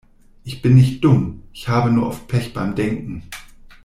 Ich bin nicht dumm, ich habe nur oft Pech beim Denken.